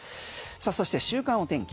そして週間お天気。